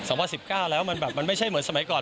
สังเจน๑๙เป์แล้วมันไม่ใช่เหมือนสมัยก่อน